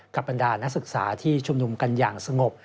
บรรดานักศึกษาที่ชุมนุมกันอย่างสงบ